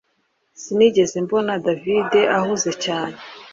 Sinigeze mbona David ahuze cyane